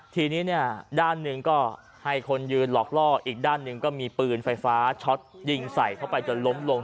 ทีนี้เนี่ยด้านหนึ่งก็ให้คนยืนหลอกล่ออีกด้านหนึ่งก็มีปืนไฟฟ้าช็อตยิงใส่เข้าไปจนล้มลง